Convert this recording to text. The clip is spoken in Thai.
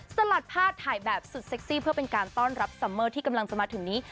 สลัดผ้าถ่ายแบบสุดเซ็กซี่เพื่อเป็นการต้อนรับซัมเมอร์ที่กำลังจะมาถึงนี้